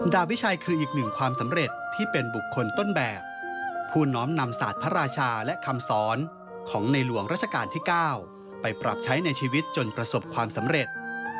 ดาวิชัยคืออีกหนึ่งความสำเร็จที่เป็นบุคคลต้นแบบผู้น้อมนำศาสตร์พระราชาและคำสอนของในหลวงราชการที่๙ไปปรับใช้ในชีวิตจนประสบความสำเร็จ